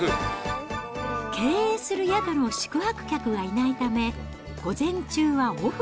経営する宿の宿泊客がいないため、午前中はオフ。